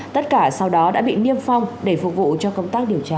tất cả sau đó đã bị niêm phong để phục vụ cho công tác điều tra